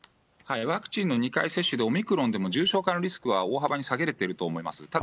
ワクチンの２回接種で、オミクロンでも重症化のリスクは大幅に下げれてると思います。